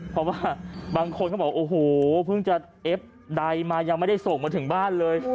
เพราะว่าบางคนก็บอกโอ้โหเพิ่งจะเอฟใดมายังไม่ได้ส่งมาถึงบ้านเลย